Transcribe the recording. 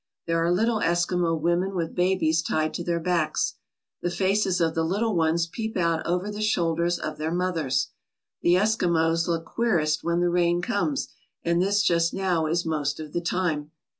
There are little Eskimo women with babies tied to their backs. The faces of the little ones peep out over the shoulders of their mothers. The Eskimos look queerest when the rain comes, and this just now is most of the time.